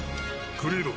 クリード。